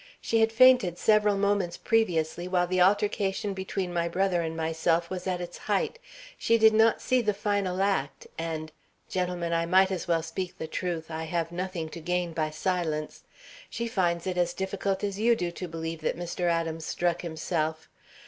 "She had fainted several moments previously, while the altercation between my brother and myself was at its height. She did not see the final act, and gentlemen, I might as well speak the truth (I have nothing to gain by silence), she finds it as difficult as you do to believe that Mr. Adams struck himself.